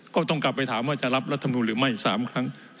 ก็ต้องกลับไปถามว่าจะรับรัฐมนุนหรือไม่๓ครั้ง